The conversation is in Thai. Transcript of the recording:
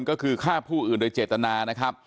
ก็คือฆ่าผู้อื่นโดยเจตนา